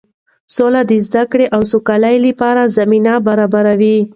سوله د زده کړې او سوداګرۍ لپاره زمینه برابروي.